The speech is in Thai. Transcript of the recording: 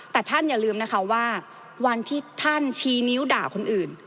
แต่ท่านอย่าลืมนะคะว่าวันที่ท่านชี้นิ้วด่าคนอื่น